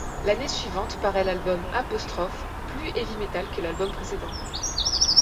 L'année suivante paraît l'album ', plus heavy metal que l'album précédent.